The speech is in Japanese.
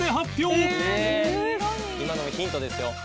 「今のもヒントですよ」